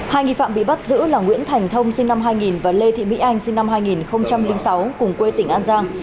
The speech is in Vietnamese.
hai nghi phạm bị bắt giữ là nguyễn thành thông sinh năm hai nghìn và lê thị mỹ anh sinh năm hai nghìn sáu cùng quê tỉnh an giang